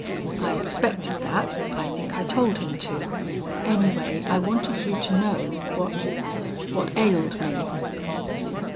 "I expected that. I think I told him to. Anyway, I wanted you to know what what ailed me."